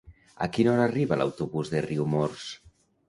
A quina hora arriba l'autobús de Riumors?